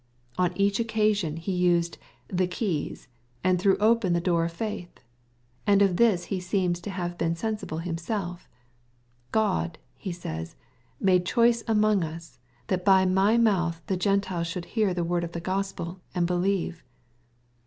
On each occasion he used " the keys," and threw open the door of faith. And of this he seems to have been sensible himself :" God," he says, " made choice among us, that by my mouth the Gentiles should hear the word of the Gospel, and be lieve."